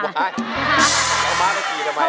ว่าไงแล้วม้าก็ขี่ทำไมล่ะ